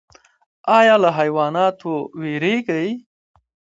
ایا له حیواناتو ویریږئ؟